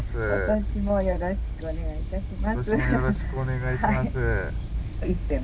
今年もよろしくお願いします。